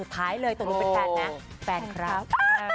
แฟนครับ